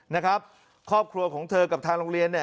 นะครับครอบครัวของเธอกับทางโรงเรียนเนี่ย